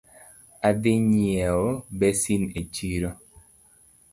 Adhi nyieo basin e chiro